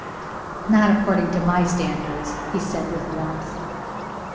"Not according to my standards," he said, with warmth.